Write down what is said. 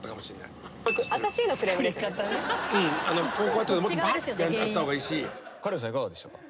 いかがでしたか？